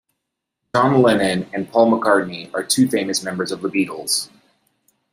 John Lennon and Paul McCartney are two famous members of the Beatles.